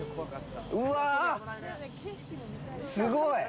うわ、すごい。